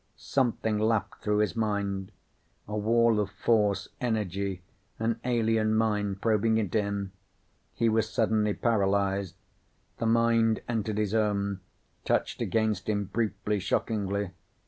Something lapped through his mind. A wall of force, energy, an alien mind probing into him. He was suddenly paralyzed. The mind entered his own, touched against him briefly, shockingly.